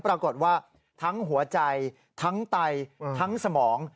ปรากฏว่าทั้งหัวใจทั้งไตทั้งสมอง